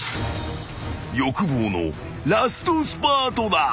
［欲望のラストスパートだ］